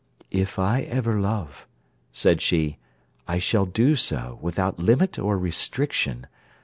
'If I ever love,' said she, 'I shall do so without limit or restriction.